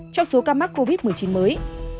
trong số các mắc covid một mươi chín mới